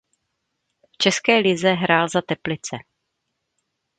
V československé lize hrál za Teplice.